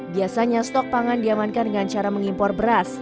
biasanya stok pangan diamankan dengan cara mengimpor beras